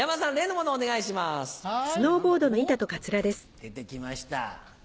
出てきました。